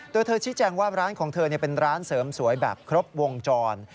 โดยเธอชี้แจงว่าร้านของเธอเป็นร้านเสริมสวยแบบครบวงจร